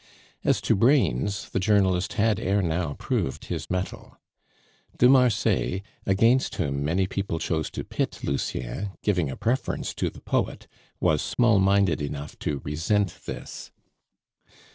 As to brains, the journalist had ere now proved his mettle. De Marsay, against whom many people chose to pit Lucien, giving a preference to the poet, was small minded enough to resent this.